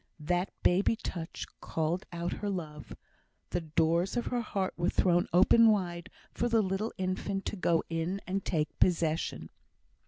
That baby touch called out her love; the doors of her heart were thrown open wide for the little infant to go in and take possession.